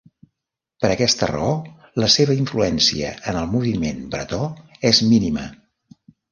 Per aquesta raó la seva influència en el moviment bretó és mínima.